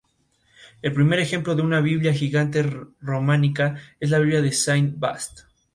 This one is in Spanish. Los archivos de la cinemateca suiza figuran como bien cultural suizo de importancia nacional.